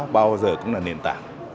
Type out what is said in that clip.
bao giờ cũng là nền tảng